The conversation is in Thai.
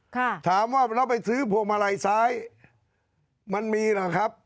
ค่ะถามว่าแล้วไปซื้อพวงมาลัยซ้ายมันมีเหรอครับ